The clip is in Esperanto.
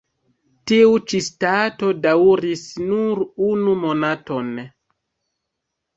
Tiu ĉi stato daŭris nur unu monaton.